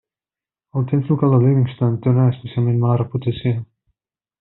El temps local de Livingston té una especialment mala reputació.